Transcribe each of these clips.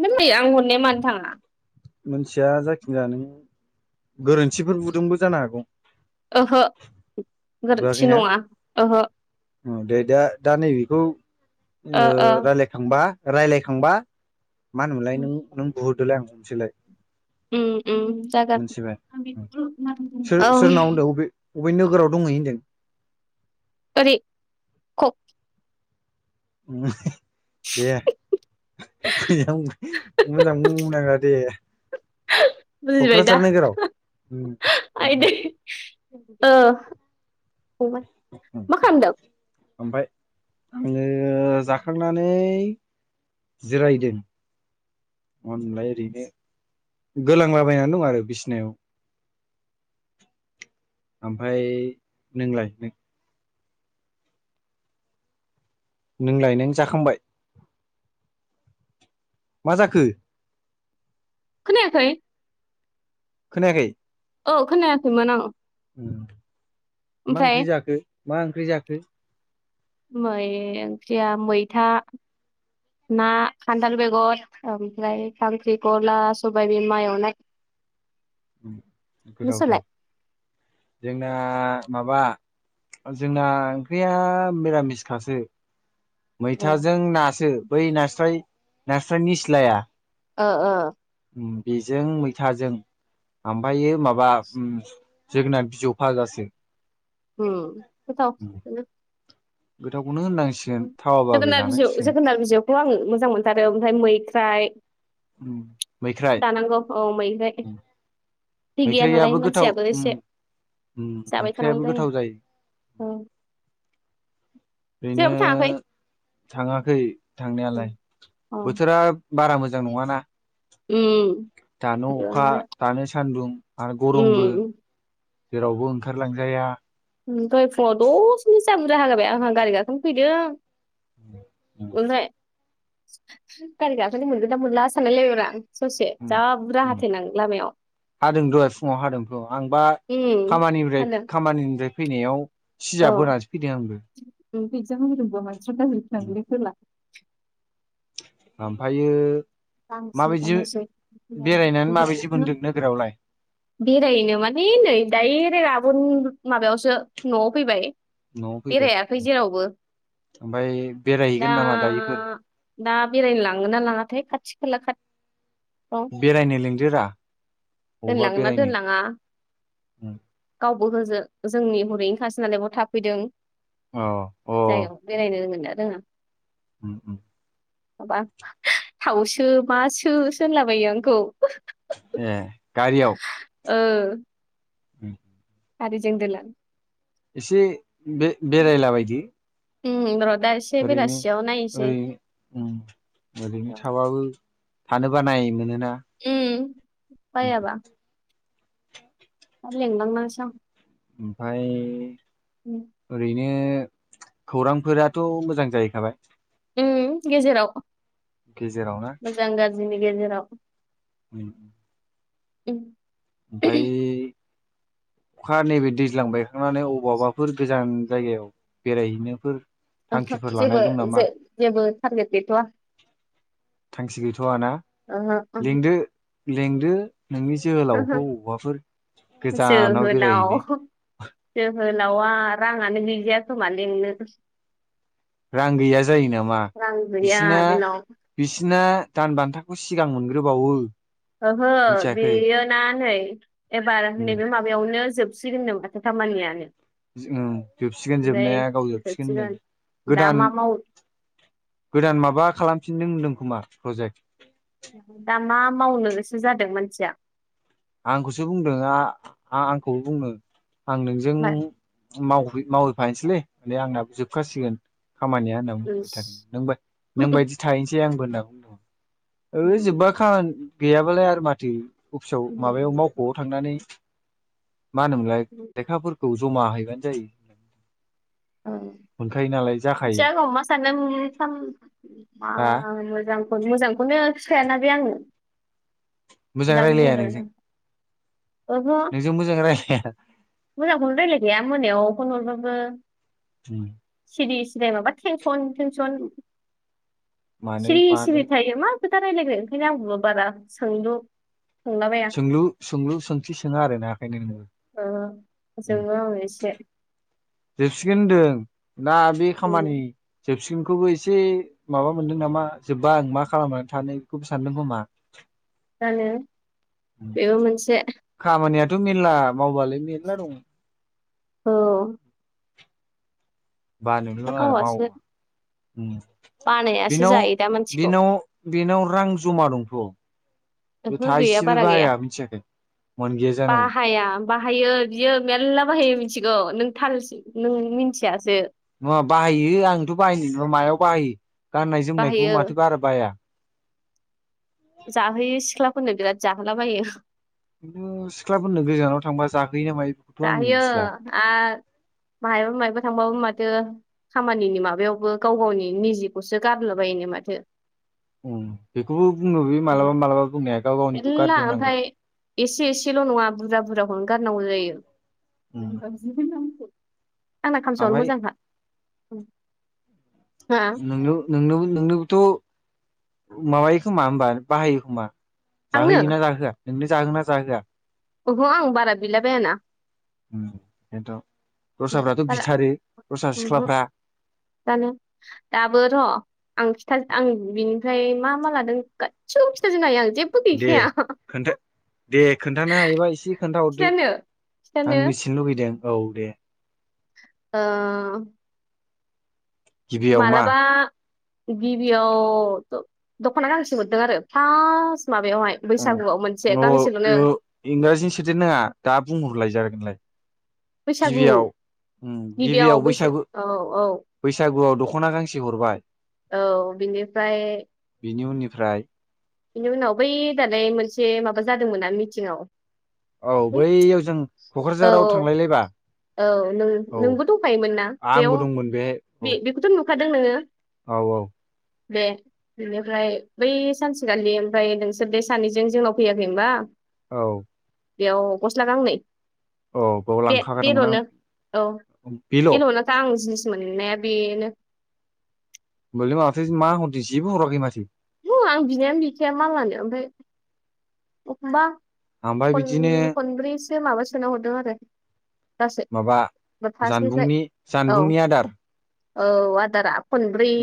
नै आं हरनाया मानो थाङा? मोनथिया जायखुन जाया नों गोरोन्थिफोर बुदोंबो जानो हागौ। ओहो गोरोन्थि नङा ओहो। औ दे दा दा नैबेखौ ओ ओ ओ रायलायखांबा रायलायखांबा मा होनोमोनलाय नों नों बुहरदोलाय आं हमसैलाय। उम उम मोनथिबाय जागोन औ। अबे नोगोराव दंहैयो होनदों। ओरै कख दे। फै मोजां बुं नाङा दे। बुजिबाय दा क'क्राझार नोगोराव? आइदै ओ मा खामदों? ओमफाय आङो जाखांनानै जिरायदों। अनलाय ओरैनो गोलांलाबायनानै दं आरो बिसिनायाव। ओमफाय नोंलाय नों? नों लाय नों जाखांबाय? मा जाखो? खोनायाखै? खोनायाखै। औ खोनायाखैमोन ओं। मा ओंख्रि जाखो मा ओंख्रि जाखो? मै ओंख्रिया मैथा। ना खान्थाल बेगर ओमफ्राय खांख्रि खला सबाय बिमा एवनाय। गोथावथार नोंसोरलाय जों [unintelligible] माबा जोंना ओंख्रिया मिरामिस खासो। ए मैथाजों नासो बै नास्राय नास्राय निसिलाया। ओ ओ। बेजों मैथाजों ओमफायो माबा ओम जोगोनाथ बिजौ फाजासो। ओम [unintelligible] गोथावखौनो होननांसिगोन थावाबाबो जानांसिगोन। बेखौ आं मोजां मोनथारो ओमफ्राय मैख्राइ। मैख्राइ जानांगौ औ मैख्राय। थै गैया नालाय मैख्राइयाबो गोथाव मानसियाबो उम एसे। उम जाबाय थानांगौ मैख्राइयाबो जायो गोथाव औ ओरैनो जेरावबो थाङाखै थाङाखै अ थांनायालाय बोथोरा- बारा मोजां नङाना उम दानो अखा दानो सान्दुं आरो गरमबो जेरावबो ओंखारलांजाया ओम दहाय फुङाव दसेनो जा बुरजा हगारबाप आंहा गारि गाखोनो फैदों ओमफाय गारि गाखौनो मोनगोना मोनला सानलाय लायबायब्रा आं ससे उम जा उम बुरजाहाथेनानै लामायाव हादों दहाय फुङाव हादोंथ' आंबा उम खामानिनिफ्राय फानदों खामानिनिफ्राय फैनायाव औ सिजा बोनासो फैदों आंबो [unintelligible] [unintelligible] ओमफायो [unintelligible] बेरायनानै माबायदि मोनदों नोगोरावलाय [unintelligible] बेरायनो माने नै दडाइरेक्ट आबुन माबायावसो न'आव फैबाय न'आव फैबाय बेरायाखै जेरावबो ओमफ्राय बेरायहैगोन दा नामा दायोफोर दा बेरायनो लाङोना लाङाथाय खाथि- खोला खा- बेरायनो लिंदोरा दोनलाङोना दोनलाङा गाव- [unintelligible] जोंनि हरैनि खासि नालाय बाव थाफैदों अ जायायाव बेरायनो रोंङोना रोङा ओम ओम माबा थावसो मासो सो होनलाबायो आंखौ ए गारियाव ओ [unintelligible] [unintelligible] गारिजों दोनलां एसे बे बेरायला बायदो ओम र' दा एसे ओरैनो बेलासियाव नायनोसै ओरैनो ओम ओरैनो थाबाबो थानोबा नाय मोनोना ओम बायाबा लिंलांनोसै आं ओमफाय ओम ए खौरांफोराथ' मोजां जाहैखाबाय ओम गेजेराव गेजेरावनो मोजां गाज्रिनि गेजेराव उम उम ओमफाय अखा नैबे दैज्लां बायखांनानै अबावबाफोर गोजान जायगायाव बेरायहैनोफोर ओ हो थांखिफोर लानाय जेबो दं नामा जेबो टारगेट गैथ'वा थांखि गैथ'वा ना ओहो ओहो लिंदो लेंदो नोंनि ओहो जोहोलावखौ बबावबाफोर गोजानाव जोहोलाव बेरायहैनो जोहोलावा राङानो गैजाया खोमा लेंनो रां गैया जायो नामा गैया बिसिना बेनाव बिसि बिसिरना दान बान्थाखौ सिगां मोनग्रोबावो ओहो मिथियाखै बेयो ना नै एबार उम नैबे माबायावनो जोब सिगोन नो माथो खामानियानो उम जोबसिगोन जोबनाया गाव जोबसिगोन होनदों दा गोदान मा माव गोदान माबा खालामफिनदों होनदों खोमा फ्रजेक्ट दा मा मावनो गैसोसो जादों मानसिया? आंखौसो बुंदों आ-आं आंखौबो बुंनो आं नोंजों मा मावहै-मावहैफानोसैलै नै आंनाबो जोबखासिगोन खामानिया होनना बुंबाय इस थादों नोंबा-नोंबायदि थाहैसै आंबो होनना बुंदों ओ जोब्बाख गैयाबालाय आरो माथो अफिसाव माबायाव मावख'आव थांनानै मा होनोमोनलाय लेखाफोरखौ जमा हैबानो जायो औ मोनखायो नालाय जाखायो मिनथिया गाव मा सानदों ओ मा साना हा मा मोजां मोजांखौनो खिथायाना बे आंनो मोजां दाबो रायलाया बुंदों नों जों? ओहो मोजांखौनो रायलायखाया मोनायाव फनहरबाबो उम सिरि सिरि माबा थेंसन थेंसन मानो सिरि मानो सिरि थायो मा खोथा रायलायगोन ओंखायनो आंबो बारा सोंलु सोंलाबाया सोंलु सोंलु सोंथि सोङा आरो ना ओखायनो नोङो ओ जोंङो आं एसे जोबसिगोन होनदों दा बे उम खामानि जो जोबसिनखौबो एसे माबा मोनदों नामा जोब्बा आं मा खालामनानै थानो बेखौबो सानदों खोमा जानो बेबो मोनसे थ' मेरला मावबालाय मेरला दं औ बानोल नाङा आरो माव गावासो उम बानायासो बेनाव जायो दा मानसिखौ बेनाव बेनाव रां जमा दंथ' बे ओहो गैया थाइसेबो बारा गैया बाहाया मिथियाखै मोनगैया जानांगौ बाहाया बाहायो बियो मेर्ला बाहायो मिथिगौ नों थालसो नों मिथियासो नङा बाहायो आंथ' बाहायनाय ना मायाव बाहायो गाननाय जोमनायखौ बाहायो माथो बारा बाया जाहोयो सिख्लाफोरनो बिराद जाहोलाबायो खिन्थु सिख्लाफोरनो गोजानाव थांबा जा जाहैयो आरो माहबा माहबा थांबाबो मा माथो खामानिनि माबायावबो गाव गावनि निजिखौसो गारला बायो माथो उम बेखौबो बुंनो बियो मालाबा मालाबा बुंनाया गाव गावनिखौ मेरला गारग्रोनांगौ ओमफ्राय एसे एसेल' नङा बुरजा बुरजाखौनो गारनांगौ जायो उम [unintelligible] आंना खामसावानो ओमफ्राय मोजांखा हा नोंनो नोंनो नोंनोबोथ' माबायो खोमा होमबा बाहायो खोमा? आंनो जाहोयोना जाहोआ नोंनो जाहोगोना जाहोआ अह' आं बारा बिलाबायाना उम एनथ' दस्राफ्राथ' बिथारो दस्रा ओमहो सिख्लाफ्रा जानो दाबो र' आं आं बिनिफ्राय मा मा लादों गासिबो खिथाजोबनो हायो आं जेबो दे गैखाया खोनथ दे खोन्थानो हायोबा एसे खोन्थाहरदो खिथानो आं खिथानो मिथिनो लुबैदों औ दे ओ गिबियाव मा मालाबा गिबियाव दख'ना गांसे हरदों आरो फास ओम ओ ओ इंराजिनि सोदेर नाङा दा बुंहरलायजागोनलाय। बैसागु गिबियाव बैसो बैसागु औ औ बैसागुआव दख'ना गांसे हरबाय। औ बिनिफ्राय बिनिफ्राय? बेनि उनाव बै दालाय मोनसे माबा जादोंमोनना मिटिंआव औ है बैयाव जों औ क'क्राझाराव थांलायलायबा औ नों औ नोंबो दंफायोमोन ना आंबो बेयाव दंमोन बे औ बे बेखौथ' नुखादों नोङो? औ औ दे बिनिफ्राय बै सानसेखालि ओमफ्राय नोंसोर बे सानैजों जोंनाव फैयाखै होनबा औ। बेयाव गस्ला गांनै। औ बेयाव बे लांखागोन। बेल'नो औ बेल'नोखा आं जिनिस मोननाया बेनो। होमबालाय माथो मा हरदों जेबो हराखै माथो? आं बिनायानो गैखाया मालानो ओमफ्राय एखमबा ओमफ्राय खन बिदिनो खनब्रैसो माबा सोना हरदों आरो। गासै माबा पासनिफ्राय जानबुंनि औ। जानबुंनि आदार औ आदारा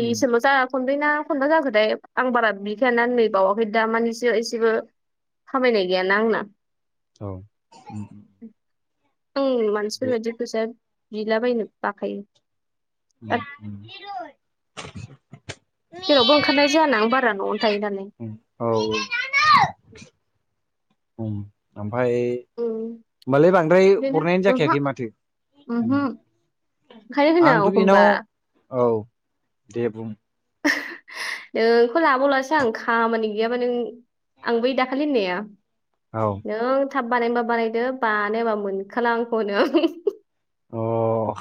उम जा खनब्रैना, खनबा जाखोथाय आं बारा बिखायाना नै बावाखै दा मानिसो एसेबो खामायनाय गैया आंना। औ। आं बे मानसिफोरबायदि फैसा बिलाबायनो बाखायो। [unintelligible] जेरावबो ओंखारनाय जायाना आं बारा न'आवनो थायो नालाय उम औ औ ओम ओमफ्राय उम होमबालाय बांद्राय बेनो हरनायानो ओहो जाखायाखै माथो। ओमहो ओंखायनो आंथ' होनो आं एखमबा बेनाव औ दे बुं। नोंखौ लाबावलासो आं खामानि गैयाबा नों आं बै दाखालि होननाया औ नों थाब बानायनोबा बानायदो बानायाबा मोनखाला आंखौ होनो आं उहु हु हु अ'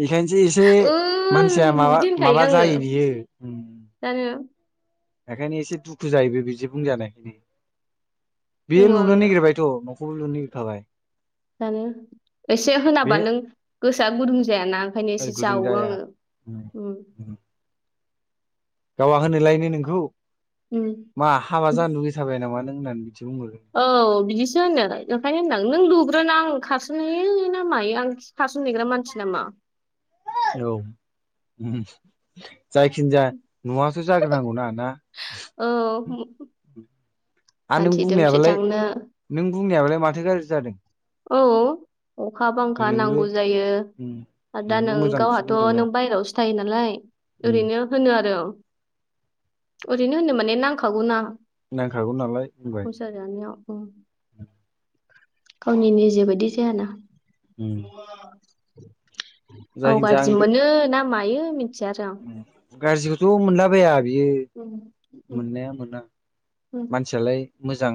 बेखायनोसो एसे मानसिया ओं माबा बिदि होनखायो माबा आङो जायो बियो। जानो बेखायनो एसे दुखु जाहैबाय बिदि बुंजानायखायनो। बेयो बुङो लुनो आङो नागिरबायथ' न'खौबो लुनो नागिरखाबाय। जानो, एसे बे होनाबा नों गोसोआ गुदुं जायाना ओंखायनो एसे गुदुं जावो जाया आङो। उम उम। गावहा होनोलायनो नोंखौ मा हाबा उम जानो लुगैथाबाय नामा नों होननानै? बुंहरो औ। बिदिसो होनो। ओमफ्राय होनदां नों लुग्रोना आं खारसोन हायो ना मायो? आंसो खारसन हैग्रा मानसि नामा? औ उम। जायखिजाया न'आसो जाग्रोनांगौना ना? औ। आरो नों मानसि दोमसि बुंनायाबालाय, थांनो नों बुंनायाबालाय माथो गाज्रि जादों? औ। अखा बांखा नोंबो नांगौ जायो। उम दा नोंबो नों मोजांखौसो गावहाथ' बुंदोंना नों बायहेरायावसो थायो नालाय, उम ओरैनो होनो आरो आं। ओरैनो होनो माने नांखागौ ना? नांखागौ नालाय बुंबाय संसार जानायाव ओं। गावनि निजे बायदि जायाना? उम औ जायखिजाया आं गाज्रि मोनो ना मायो? मिनथिला गाज्रिखौथ' मोनलाबाया बियो उम उम मोननाया मोना। मानसियालाय मोजां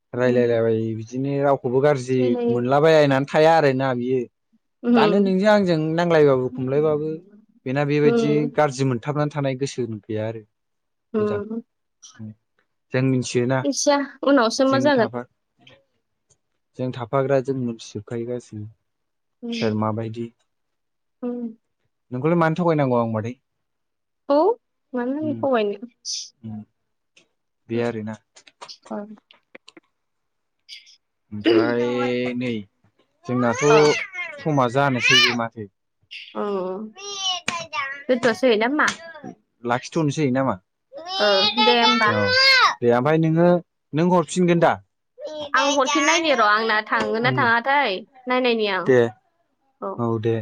उम उम रायलायलायबाय बिदिनो राव रावखौबो गाज्रि रायलायो मोनलाबायनानै थाया आरोना बियो। दानो उम नोंजों आंजों नांलायबाबो खमलायबाबो बेना बेबायदि उम गाज्रि मोनथाबनानै थ थानायानाय गोसो गैया आरो। मोजां ओम जों मिथियोना मा जों थाफा जों थाफाग्रा जों मोनथिजोबखायो गासिबो। सोर उम माबायदि ओम। नोंखौल' मानो थगायनांगौ आं मादै? औ मानो जों उम थगायनो? उम बे ओम आरोना अम। ओमफ्राय नै जोंनाथ' अ समा जानोसैयोबो माथो? ओओ दोनथ'सै ना मा? लाखिथ'नोसै नामा? ओ दे होमबा औ दे ओमफ्राय नोङो नों हरफिनगोन दा? आं हरफिन नायनि र' आंना थांगोन ना ओं थाङाथाय नायनायनि आं दे। औ दे।